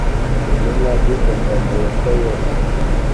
Intumwa zitotombeye ko yesu